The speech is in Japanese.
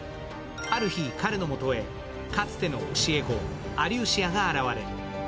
ある日、彼の元へ、かつての教え子アリューシアが現れる。